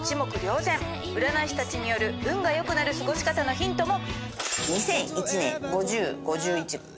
占い師たちによる運が良くなる過ごし方のヒントも。